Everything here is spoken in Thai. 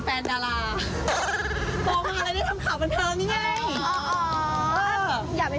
ตอนนี้เขามีครอบครัวแล้วนะ